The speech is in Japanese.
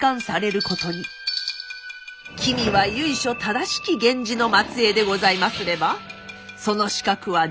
君は由緒正しき源氏の末裔でございますればその資格は十分。